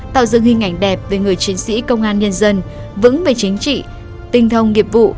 tạo dựng hình ảnh đẹp về người chiến sĩ công an nhân dân vững về chính trị tinh thông nghiệp vụ